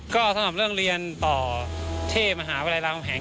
ก็สำหรับเรื่องเรียนต่อที่มหาวิทยารามคำแหง